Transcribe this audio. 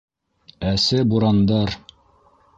Әсе бурандар